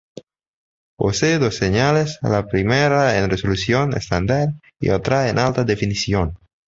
Posee dos señales: la primera en resolución estándar y otra en alta definición.